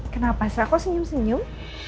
kenapa sih aku senyum senyum